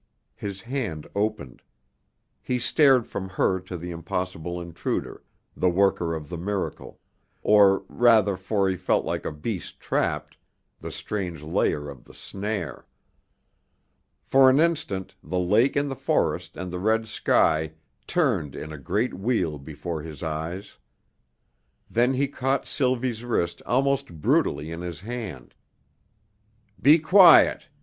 His hand opened; he stared from her to the impossible intruder, the worker of the miracle, or rather for he felt like a beast trapped, the strange layer of the snare. For an instant the lake and the forest and the red sky turned in a great wheel before his eyes. Then he caught Sylvie's wrist almost brutally in his hand. "Be quiet!"